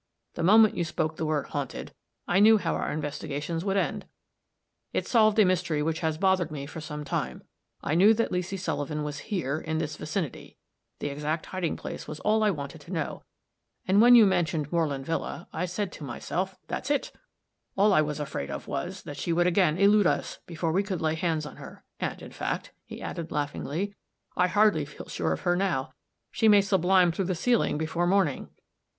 The moment you spoke the word 'haunted,' I knew how our investigations would end. It solved a mystery which has bothered me for some time. I knew that Leesy Sullivan was here, in this vicinity; the exact hiding place was all I wanted to know; and when you mentioned Moreland villa, I said to myself, 'that's it!' All I was then afraid of was, that she would again elude us, before we could lay hands on her. And in fact," he added laughingly, "I hardly feel sure of her now. She may sublime through the ceiling before morning."